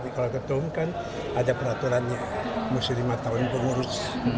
kalau ketuung kan ada peraturannya mesti lima tahun pengurus